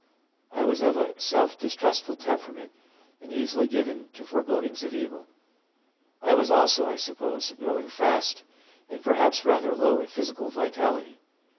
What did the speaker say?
I was of a self distrustful temperament, and easily given to forebodings of evil. I was also, I suppose, growing fast and perhaps rather low in physical vitality.